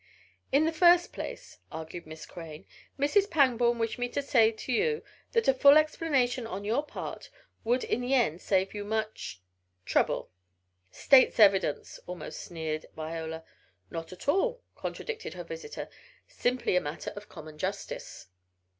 "In the first place," argued Miss Crane, "Mrs. Pangborn wished me to say to you that a full explanation on your part would in the end save you much trouble." "State's evidence!" almost sneered Viola. "Not at all," contradicted her visitor. "Simply a matter of common justice."